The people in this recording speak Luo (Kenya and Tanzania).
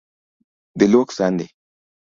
Dhi luok sande